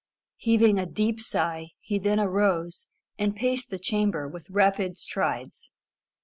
Heaving a deep sigh, he then arose, and paced the chamber with rapid strides.